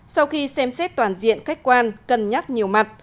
sau khi xem xét toàn diện khách quan cân nhắc nhiều mặt